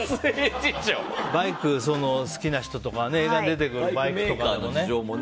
バイク、好きな人とかは映画に出てくるバイクとかね。